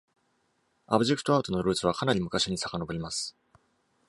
アブジェクト・アートのルーツはかなり昔にさかのぼります。